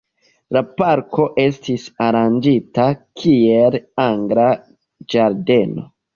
La parko estis aranĝita kiel angla ĝardeno.